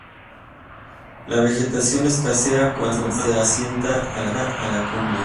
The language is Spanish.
La vegetación escasea cuanto más se asciende a la cumbre.